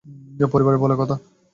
পরিবার বলে কথা।